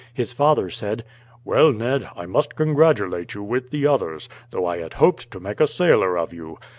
His father said: "Well, Ned, I must congratulate you with the others; though I had hoped to make a sailor of you.